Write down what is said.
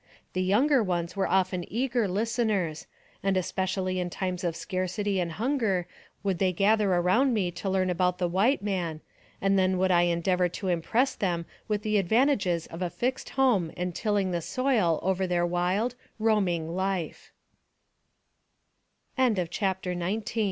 The younger ones were often eager listeners, and especially in times of scarcity and hunger would they gather around me to learn about the white man, and then would I endeavor to impress them with the advantages of a fixed home and tilling the soil over their wild, roaming